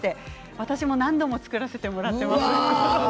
私も何度も作らせていただいています。